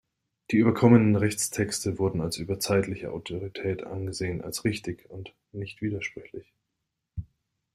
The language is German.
Die überkommenen Rechtstexte wurden als "überzeitliche" Autorität angesehen, als "richtig" und "nicht widersprüchlich".